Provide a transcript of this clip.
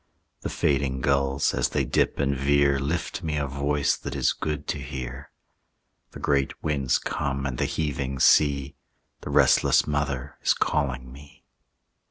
The fading gulls, as they dip and veer, Lift me a voice that is good to hear. The great winds come, and the heaving sea, The restless mother, is calling me.